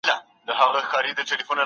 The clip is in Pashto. زه به اوږده موده ږغ اورېدلی وم.